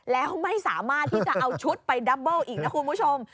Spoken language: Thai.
แล้วไม่สามารถที่จะเอาชุดไปดับเบิ้ลอีกนะคุณผู้ชม